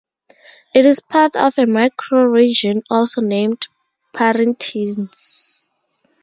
It is part of a microregion also named Parintins.